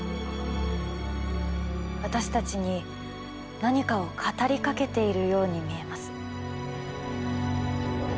私たちに何かを語りかけているように見えます。